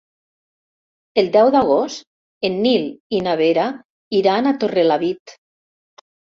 El deu d'agost en Nil i na Vera iran a Torrelavit.